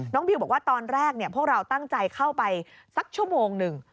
บิวบอกว่าตอนแรกพวกเราตั้งใจเข้าไปสักชั่วโมงหนึ่ง